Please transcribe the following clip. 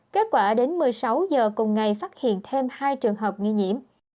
kết quả đến một mươi sáu giờ cùng ngày phát hiện thêm hai trường hợp nghi nhiễm